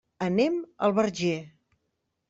Anem al Verger.